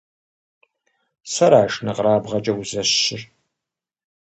Сэра шынэкъэрабгъэкӀэ узэщыр?!